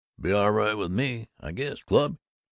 "Be all right with me, I guess. Club?"